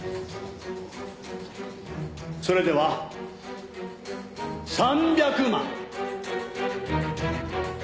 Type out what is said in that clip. それでは３００万。